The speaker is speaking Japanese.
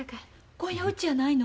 今夜うちやないの？